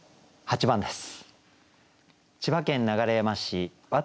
８番です。